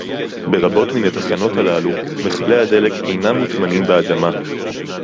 ברבות מן התחנות הללו מכלי הדלק אינם מוטמנים באדמה